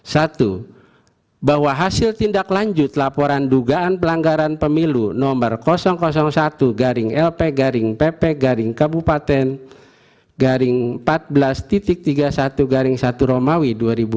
satu bahwa hasil tindak lanjut laporan dugaan pelanggaran pemilu nomor satu garing lp garing pp garing kabupaten garing empat belas tiga puluh satu romawi dua ribu dua puluh